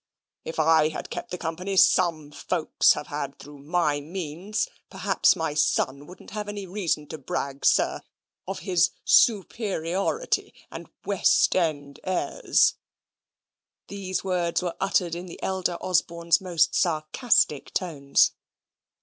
If I had kept the company SOME FOLKS have had through MY MEANS, perhaps my son wouldn't have any reason to brag, sir, of his SUPERIORITY and WEST END AIRS (these words were uttered in the elder Osborne's most sarcastic tones).